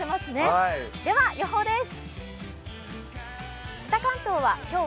では予報です。